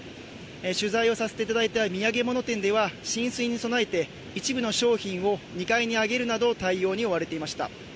取材をさせていただいた土産物店では浸水に備えて、一部の商品を２階に上げるなど対応に追われていました。